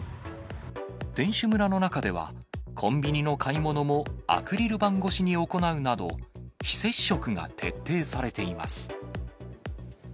選手村の中では、コンビニの買い物もアクリル板越しに行うなど、非接触が徹底されています。